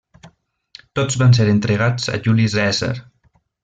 Tots van ser entregats a Juli Cèsar.